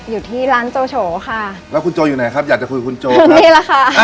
อยู่ที่ร้านโจโฉค่ะแล้วคุณโจอยู่ไหนครับอยากจะคุยคุณโจนี่แหละค่ะ